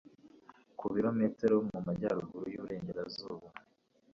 ku birometero mu majyaruguru y uburengerazuba